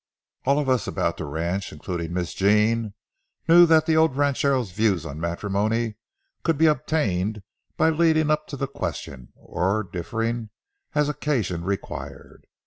All of us about the ranch, including Miss Jean, knew that the old ranchero's views on matrimony could be obtained by leading up to the question, or differing, as occasion required.